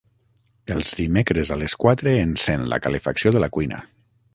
Els dimecres a les quatre encèn la calefacció de la cuina.